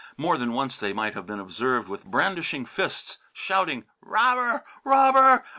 More than once they might have been observed, with brandishing fists, shouting, "Robber! Robber!